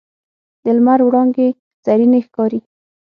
د لمر وړانګې زرینې ښکاري